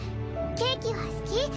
ケーキは好き？